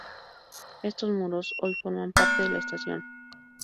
Estos muros hoy forman parte de la estación.